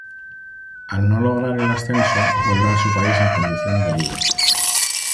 Al no lograr el ascenso, vuelve a su país en condición de libre.